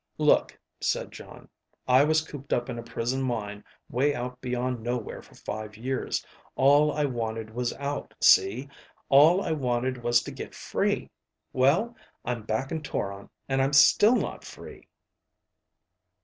"Look," said Jon. "I was cooped up in a prison mine way out beyond nowhere for five years. All I wanted was out, see. All I wanted was to get free. Well, I'm back in Toron and I'm still not free."